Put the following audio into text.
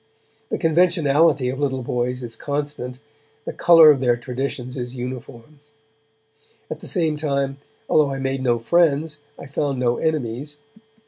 The conventionality of little boys is constant; the colour of their traditions is uniform. At the same time, although I made no friends, I found no enemies.